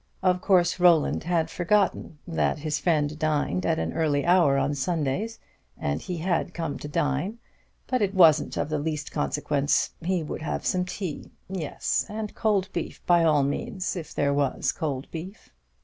Of course Roland had forgotten that his friend dined at an early hour on Sundays, and he had come to dine; but it wasn't of the least consequence, he would have some tea; yes, and cold beef, by all means, if there was cold beef.